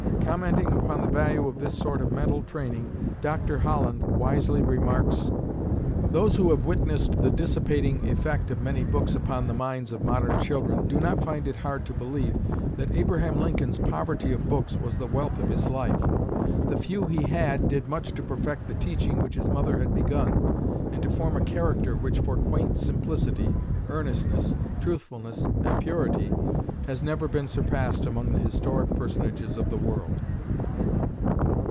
Commenting upon the value of this sort of mental training, Dr. Holland wisely remarks: "Those who have witnessed the dissipating effect of many books upon the minds of modern children do not find it hard to believe that Abraham Lincoln's poverty of books was the wealth of his life. The few he had did much to perfect the teaching which his mother had begun, and to form a character which for quaint simplicity, earnestness, truthfulness, and purity, has never been surpassed among the historic personages of the world."